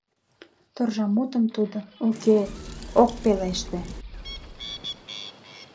Торжа мутым тудо, уке, ок пелеште.